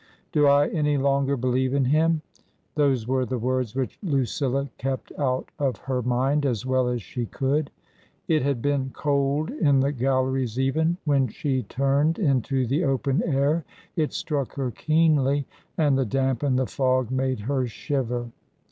" Do I any longer believe in him ?" Those were the words which Lucilla kept out of her mind as well as she could. It had been cold in the Galleries even; when she turned into the open air it struck her keenly, and the damp and the fog made her shiver.